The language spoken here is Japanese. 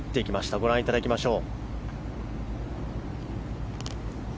ご覧いただきましょう。